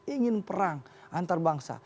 ingin perang antarbangsa